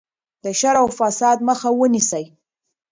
د شر او فساد مخه ونیسئ.